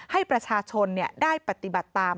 ให้ประชาชนได้ปฏิบัติตาม